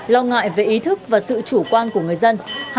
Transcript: lo ngại về ý thức và sự chủ quan của người dân